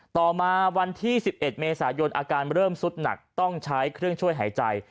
ต่อมาวันที่๑๑เมษายนอาการเริ่มสุดหนักต้องใช้เครื่องช่วยหายใจ